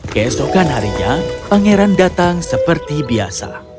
keesokan harinya pangeran datang seperti biasa